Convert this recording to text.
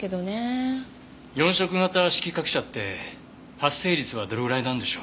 四色型色覚者って発生率はどれぐらいなんでしょう？